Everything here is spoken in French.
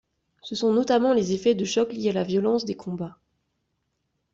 Ce sont notamment les effets de choc liés à la violence des combats.